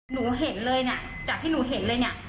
หนูเห็นเลยจากที่หนูเห็นเลย